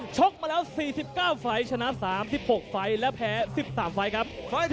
กมาแล้ว๔๙ไฟล์ชนะ๓๖ไฟล์และแพ้๑๓ไฟล์ครับ